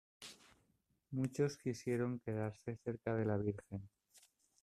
Muchos quisieron quedarse cerca de la Virgen.